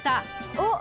おっ！